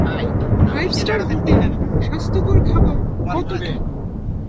Five star hotel, স্বাস্থ্যকর খাবার, কত কী।